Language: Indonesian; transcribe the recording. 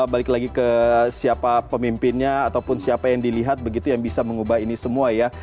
balik lagi ke siapa pemimpinnya ataupun siapa yang dilihat begitu yang bisa mengubah ini semua ya